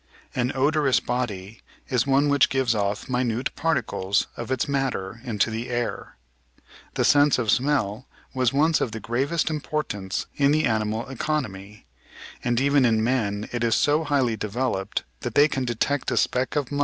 An odorous body is one which gives off minute particles of its matter into the air. The sense of smell was once of the gravest importance in the animal economy, and even in men it is so highly developed that they can detect a speck of musk diluted in eight million times as much air.